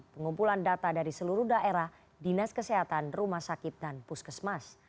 pengumpulan data dari seluruh daerah dinas kesehatan rumah sakit dan puskesmas